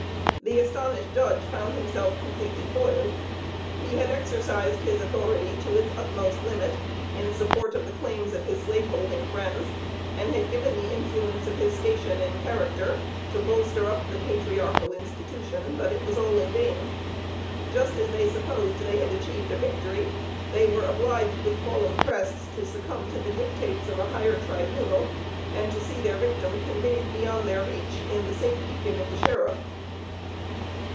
The astonished judge found himself completely foiled. He had exercised his authority to its utmost limit, in support of the claims of his slave holding friends, and had given the influence of his station and character, to bolster up the "patriarchal institution;" but it was all in vain. Just as they supposed they had achieved a victory, they were obliged with fallen crests, to succumb to the dictates of a higher tribunal, and to see their victim conveyed beyond their reach in the safe keeping of the sheriff.